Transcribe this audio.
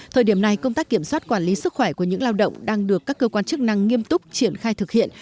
thời điểm này công tác kiểm soát quản lý sức khỏe của những lao động đang được các cơ quan chức năng nghiêm túc triển khai thực hiện